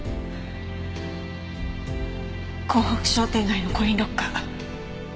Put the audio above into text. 港北商店街のコインロッカー。